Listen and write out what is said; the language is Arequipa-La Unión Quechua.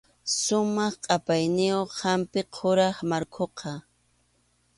Sumaq qʼapayniyuq hampi quram markhuqa.